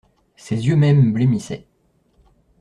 Ses yeux mêmes blêmissaient.